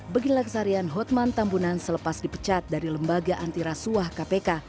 begilagsarian hotman tambunan selepas dipecat dari lembaga antirasuah kpk